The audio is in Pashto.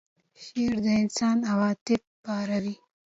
شعر د انسان عواطف پاروي.